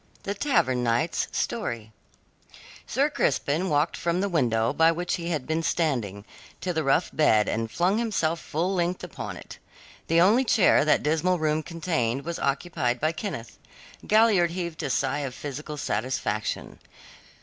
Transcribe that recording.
THE TAVERN KNIGHT'S STORY Sir Crispin walked from the window by which he had been standing, to the rough bed, and flung himself full length upon it. The only chair that dismal room contained was occupied by Kenneth. Galliard heaved a sigh of physical satisfaction.